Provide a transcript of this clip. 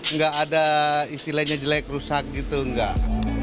nggak ada istilahnya jelek rusak gitu enggak